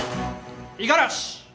五十嵐。